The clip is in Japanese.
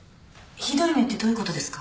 ひどい目ってどういうことですか？